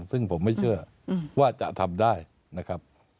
ซึ่งผมไม่เชื่อว่าจะทำได้นะครับ